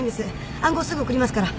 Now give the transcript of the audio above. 暗号すぐ送りますから。